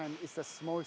itu adalah hal kecil